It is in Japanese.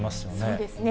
そうですね。